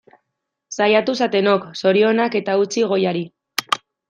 Saiatu zatenok, zorionak eta eutsi goiari!